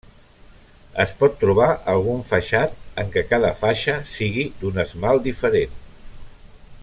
Es pot trobar algun faixat en què cada faixa sigui d'un esmalt diferent.